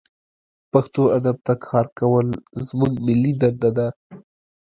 پښتو ادب ته کار کول زمونږ ملي دنده ده